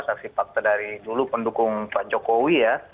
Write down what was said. saksi fakta dari dulu pendukung pak jokowi ya